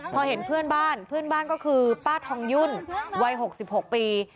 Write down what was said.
พอเห็นเพื่อนบ้านเพื่อนบ้านก็คือป้าทองยุ่นวัย๖๖ปี